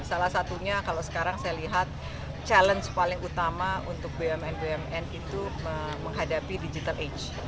salah satunya kalau sekarang saya lihat challenge paling utama untuk bumn bumn itu menghadapi digital age